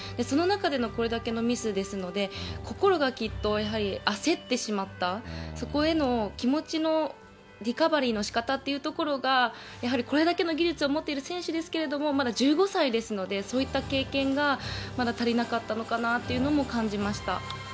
その中でのこれだけのミスですので、心がきっとやはり焦ってしまった、そこへの気持ちのリカバリーのしかたっていうところが、やはりこれだけの技術を持っている選手ですけれども、まだ１５歳ですので、そういった経験がまだ足りなかったのかなっていうのも感じました。